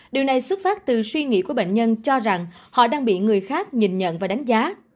điều này xuất phát từ suy nghĩ của bệnh nhân cho rằng họ đang bị người khác nhìn nhận và đánh giá